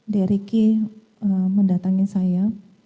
dari ricky mendatangi saya